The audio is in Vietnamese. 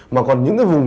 mà còn những cái vùng